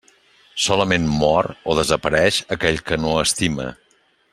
Solament «mor» o «desapareix» aquell que no estima.